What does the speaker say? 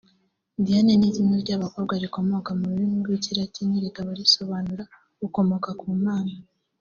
Diane ni izina ry’abakobwa rikomoka ku rurimi rw’Ikilatini rikaba risobanura “ukomoka ku Mana”